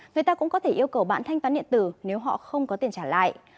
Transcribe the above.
người ta cũng có thể yêu cầu bạn thanh toán điện tử nếu họ không có tiền trả lại